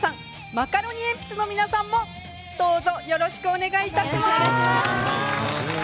マカロニえんぴつの皆さんもどうぞよろしくお願いいたします。